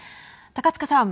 高塚さん。